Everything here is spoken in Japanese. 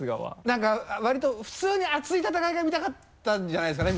何かわりと普通に熱い戦いが見たかったんじゃないですかね